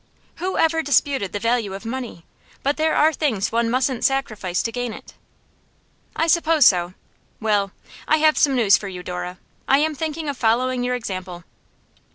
'Who ever disputed the value of money? But there are things one mustn't sacrifice to gain it.' 'I suppose so. Well, I have some news for you, Dora. I am thinking of following your example.